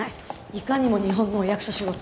いかにも日本のお役所仕事。